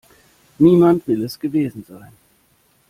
Niemand will es gewesen sein.